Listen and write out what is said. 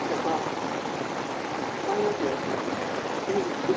大丈夫。